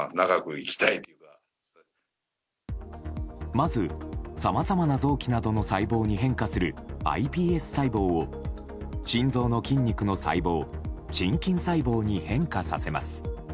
まず、さまざまな臓器などの細胞に変化するｉＰＳ細胞を心臓の筋肉の細胞心筋細胞に変化させます。